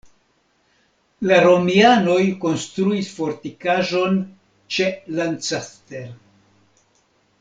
La romianoj konstruis fortikaĵon ĉe Lancaster.